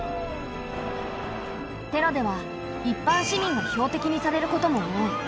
テロではいっぱん市民が標的にされることも多い。